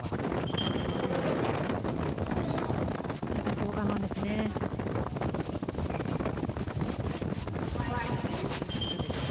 ここ、我慢ですね。